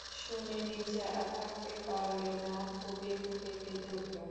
শুনে নীরজা আর থাকতে পারলে না, ফুঁপিয়ে ফুঁপিয়ে কেঁদে উঠল।